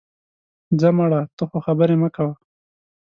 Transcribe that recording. ځه مړه، ته خو خبرې مه کوه